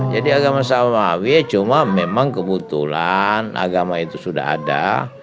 agama samawi cuma memang kebetulan agama itu sudah ada